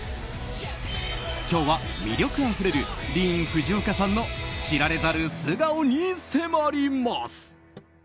今日は魅力あふれるディーン・フジオカさんの知られざる素顔に迫ります。